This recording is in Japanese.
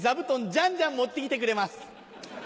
じゃんじゃん持ってきてくれます。